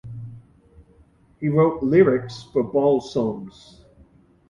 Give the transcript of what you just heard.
He wrote lyrics for Baul songs.